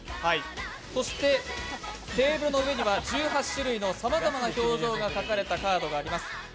そしてテーブルの上には１８種類のさまざまな表情が描かれたカードがあります。